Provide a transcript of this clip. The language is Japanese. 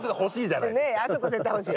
ねえあそこ絶対欲しい。